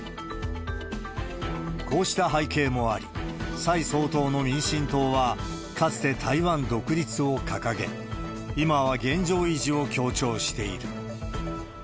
こうした背景もあり、蔡総統の民進党は、かつて台湾独立を掲げ、今は現状維持を強調している。